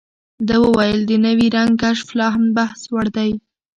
ده وویل، د نوي رنګ کشف لا هم بحثوړ دی.